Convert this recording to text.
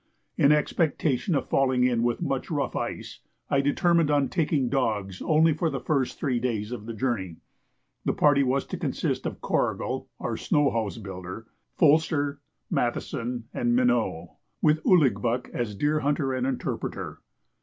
In expectation of falling in with much rough ice, I determined on taking dogs only for the first three days of the journey. The party was to consist of Corrigal (our snow house builder), Folster, Matheson, and Mineau, with Ouligbuck as deer hunter and interpreter.